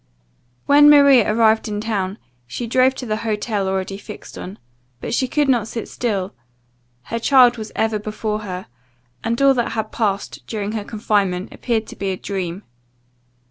When Maria arrived in town, she drove to the hotel already fixed on. But she could not sit still her child was ever before her; and all that had passed during her confinement, appeared to be a dream.